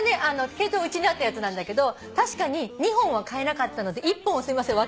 毛糸うちにあったやつなんだけど確かに２本は買えなかったので１本を分けさせていただきました。